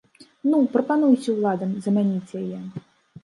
Ну, прапануйце ўладам замяніць яе!